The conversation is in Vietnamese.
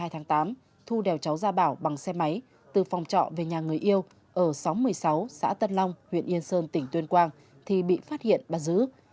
hai mươi tháng tám thu đèo cháu gia bảo bằng xe máy từ phòng trọ về nhà người yêu ở xóm một mươi sáu xã tân long huyện yên sơn tỉnh tuyên quang thì bị phát hiện bắt giữ